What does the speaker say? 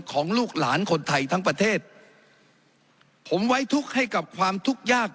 ลูกหลานคนไทยทั้งประเทศผมไว้ทุกข์ให้กับความทุกข์ยาก